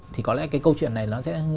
thì có lẽ cái câu chuyện này nó sẽ